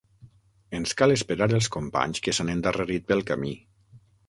Ens cal esperar els companys que s'han endarrerit pel camí.